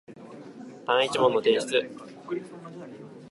単一文の提出